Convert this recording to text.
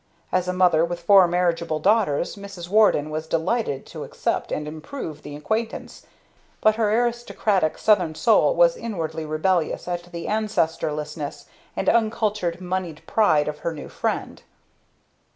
As a mother with four marriageable daughters, Mrs. Warden was delighted to accept and improve the acquaintance, but her aristocratic Southern soul was inwardly rebellious at the ancestorlessness and uncultured moneyed pride of her new friend.